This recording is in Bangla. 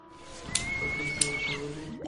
তোমাকে একটা কথা বলি।